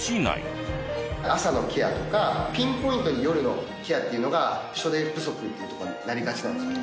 朝のケアとかピンポイントに夜のケアっていうのが人手不足っていうとこになりがちなんですよね。